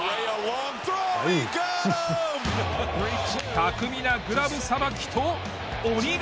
巧みなグラブさばきと鬼肩。